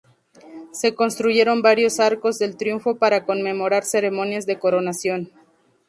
Se construyeron varios arcos del triunfo para conmemorar ceremonias de coronación.